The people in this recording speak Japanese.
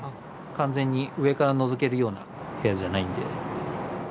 完全に上からのぞけるような部屋じゃないんで。